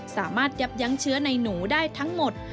สามารถยับยังเชื้อในหนูได้ทั้งหมด